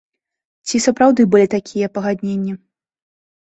Ці сапраўды былі такія пагадненні?